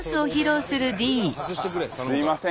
すみません。